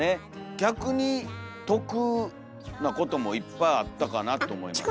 逆に得なこともいっぱいあったかなと思います。